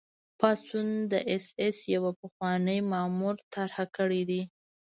پاڅون د اېس ایس یوه پخواني مامور طرح کړی دی